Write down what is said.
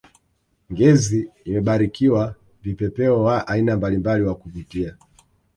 ngezi imebarikiwa vipepeo wa aina mbalimbali wa kuvutia